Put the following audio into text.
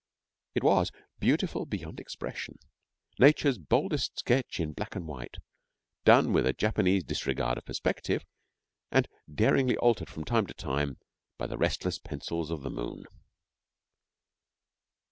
It was beautiful beyond expression, Nature's boldest sketch in black and white, done with a Japanese disregard of perspective, and daringly altered from time to time by the restless pencils of the moon.